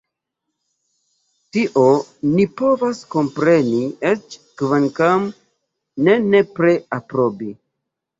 Tion ni povas kompreni, eĉ kvankam ne nepre aprobi.